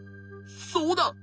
そうだ！